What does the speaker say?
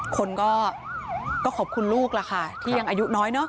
คนก็ขอบคุณลูกล่ะค่ะที่ยังอายุน้อยเนอะ